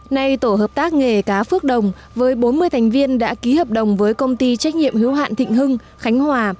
nay tổ hợp tác nghề cá phước đồng với bốn mươi thành viên đã ký hợp đồng với công ty trách nhiệm hiếu hạn thịnh hưng khánh hòa